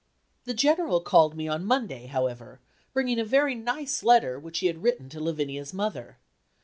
The General called on me Monday, however, bringing a very nice letter which he had written to Lavinia's mother.